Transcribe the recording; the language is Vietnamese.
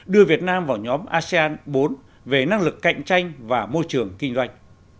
đưa việt nam vào nhóm asean bốn về năng lực cạnh tranh và môi trường kinh doanh